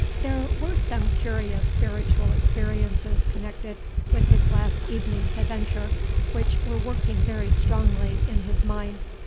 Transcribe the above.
There were some curious spiritual experiences connected with his last evening's adventure which were working very strongly in his mind.